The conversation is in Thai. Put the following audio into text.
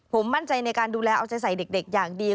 ผมมั่นใจในการดูแลเอาใจใส่เด็กอย่างดี